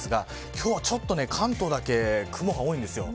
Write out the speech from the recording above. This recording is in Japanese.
今日はちょっと関東だけ雲が多いです。